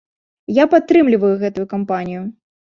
Я падтрымліваю гэтую кампанію!